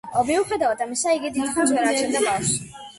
მიუხედავად ამისა, იგი დიდხანს ვერ აჩენდა ბავშვს.